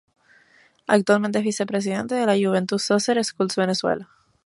Actualmente es vice-presidente de la Juventus Soccer Schools Venezuela.